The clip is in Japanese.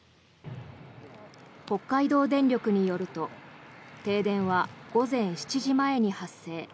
北海道電力によると停電は午前７時前に発生。